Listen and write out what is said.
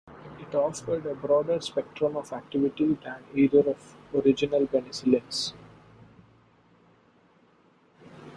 It offered a broader spectrum of activity than either of the original penicillins.